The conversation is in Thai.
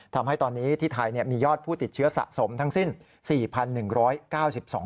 ทำให้ตอนนี้ที่ไทยมียอดผู้ติดเชื้อสะสมทั้งสิ้น๔๑๙๒ราย